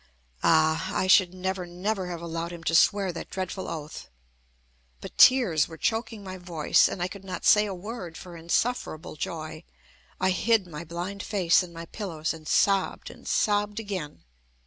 Ah! I should never, never have allowed him to swear that dreadful oath. But tears were choking my voice, and I could not say a word for insufferable joy. I hid my blind face in my pillows, and sobbed, and sobbed again.